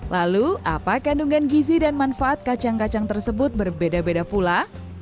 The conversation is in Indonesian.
lalu apa kandungan gizi dan manfaat kacang kacang tersebut berbeda beda pula